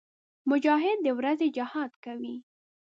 مجاهد د ورځې جهاد کوي.